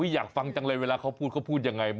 อยากฟังจังเลยเวลาเขาพูดเขาพูดยังไง